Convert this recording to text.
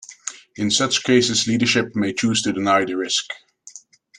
In such cases leadership may choose to deny the risk.